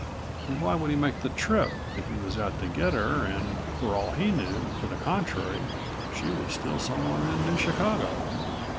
And why would he make the trip if he was out to get her and, for all he knew to the contrary, she was still somewhere in New Chicago?"